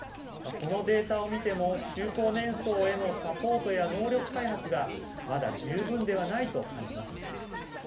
このデータを見ても中高年層へのサポートや能力開発がまだ十分ではないと感じます。